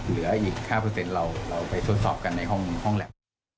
เหลืออีก๕เราไปทดสอบกันในห้องแล็บ